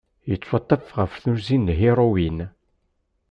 Yettwaṭṭef ɣef tnuzi n lhiruwin.